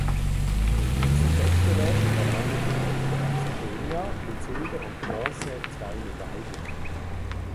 In diesem Wettbewerb errangen die Läufer aus Kenia mit Silber und Bronze zwei Medaillen.